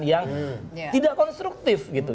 perdebatan perdebatan yang tidak konstruktif gitu